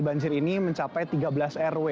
banjir ini mencapai tiga belas rw